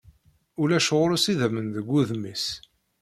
Ulac ɣur-s idamen deg wudem-is.